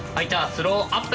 スローアップ！